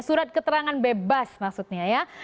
surat keterangan bebas maksudnya ya